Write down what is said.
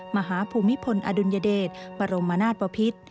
มหาภูมิพลอดุลยเดชบรมนาสปภิษฐ์